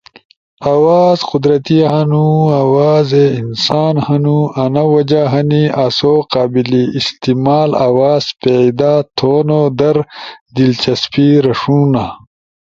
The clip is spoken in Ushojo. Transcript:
آواز قدرتی ہنو، آواز د انسان ہنو، انا وجہ ہنی آسو قابل استعمال آواز پیدا تھونو در دلچسپی رݜونا!